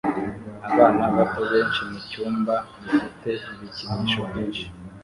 Abana bato benshi mucyumba gifite ibikinisho byinshi